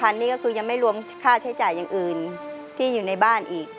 อันนี้ก็คือยังไม่รวมค่าใช้จ่ายอย่างอื่นที่อยู่ในบ้านอีก